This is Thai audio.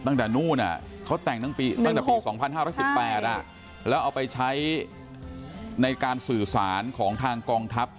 ตั้งแต่นู่นเขาแต่งตั้งแต่ปี๒๕๑๘แล้วเอาไปใช้ในการสื่อสารของทางกองทัพ